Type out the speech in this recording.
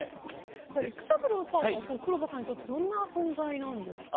育三郎さんは黒羽さんにとってどんな存在なんですか？